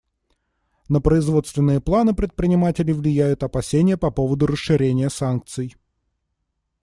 На производственные планы предпринимателей влияют опасения по поводу расширения санкций.